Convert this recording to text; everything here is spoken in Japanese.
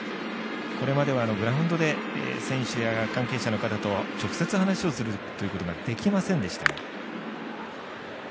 これまではグラウンドで選手や関係者の方と直接、話をするということができませんでした。